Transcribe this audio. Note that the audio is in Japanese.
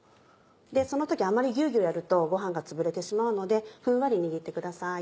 その時あんまりギュギュやるとご飯がつぶれてしまうのでふんわり握ってください。